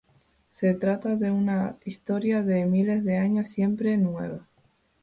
Se trata de "una historia de miles de años, siempre nueva".